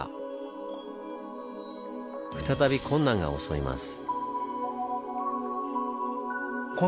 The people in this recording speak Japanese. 再び困難が襲います。